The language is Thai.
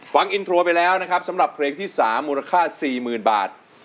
ฟังอินโทรไปแล้วนะครับสำหรับเพลงที่๓มูลค่า๔๐๐๐บาท